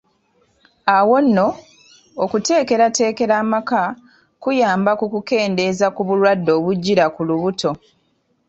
Awo nno, okuteekerateekera amaka kuyamba ku kukendeeza ku bulwadde obujjira ku lubuto.